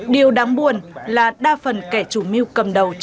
điều đáng buồn là đa phần kẻ chủ mưu cầm đầu